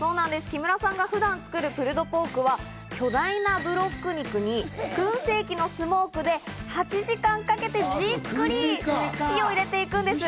木村さんが普段作る巨大なブロック肉に燻製機のスモークで８時間かけてじっくり火を入れていくんです。